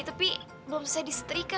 tapi belum bisa disetrika